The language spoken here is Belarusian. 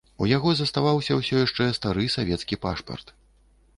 У яго заставаўся ўсё яшчэ стары савецкі пашпарт.